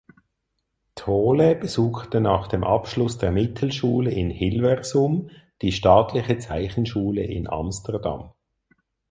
Thole besuchte nach dem Abschluss der Mittelschule in Hilversum die staatliche Zeichenschule in Amsterdam.